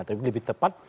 tapi lebih tepat